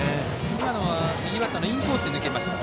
今のは右バッターのインコースに抜けました。